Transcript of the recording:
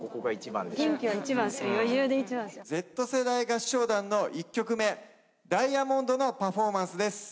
Ｚ世代合唱団の１曲目『Ｄｉａｍｏｎｄｓ』のパフォーマンスです。